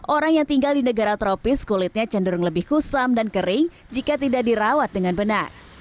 orang yang tinggal di negara tropis kulitnya cenderung lebih kusam dan kering jika tidak dirawat dengan benar